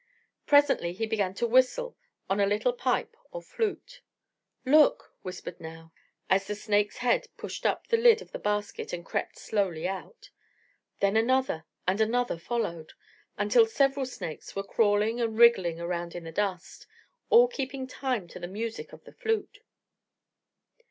Presently he began to whistle on a little pipe or flute. "Look," whispered Nao, as a snake's head pushed up the lid of the basket and crept slowly out. Then another and another followed, until several snakes were crawling and wriggling around in the dust, all keeping time to the music of the flute.